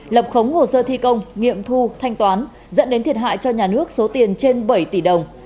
lập khống hồ sơ thi công nghiệm thu thanh toán dẫn đến thiệt hại cho nhà nước số tiền trên bảy tỷ đồng